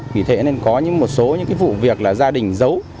vì thế nên có một số vụ việc là gia đình giấu